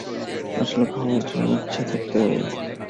আসলে, খাওয়ার জন্য ইচ্ছা থাকতে হয়।